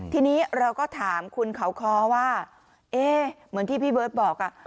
ทีนี้เราก็ถามคุณเขาคอว่าเอ๊ะเหมือนที่พี่เบิร์ตบอก